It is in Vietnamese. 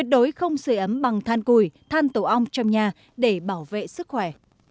đối không sửa ấm bằng than củi than tổ ong trong nhà để bảo vệ sức khỏe